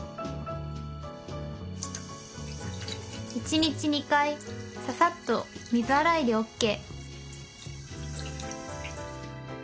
一日２回ささっと水洗いでＯＫ